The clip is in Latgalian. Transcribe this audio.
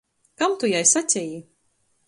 Kam tu jai saceji?